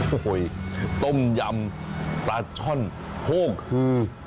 โอ้โหต้มยำปลาช่อนโคกคือ